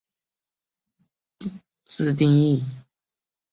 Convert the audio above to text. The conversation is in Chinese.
它允许通常不被原厂固件所认可的自定义项。